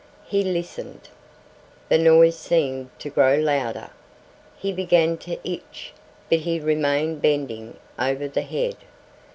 He listened. The noise seemed to grow louder. He began to itch but he remained bending over the head.